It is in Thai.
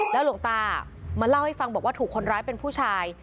หลวงตามาเล่าให้ฟังบอกว่าถูกคนร้ายเป็นผู้ชาย